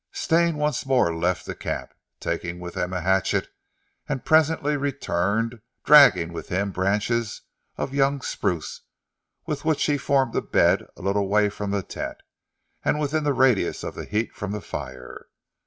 Stane once more left the camp, taking with him a hatchet, and presently returned dragging with him branches of young spruce with which he formed a bed a little way from the tent, and within the radius of the heat from the fire.